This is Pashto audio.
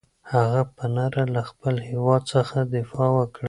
هغه په نره له خپل هېواد څخه دفاع وکړه.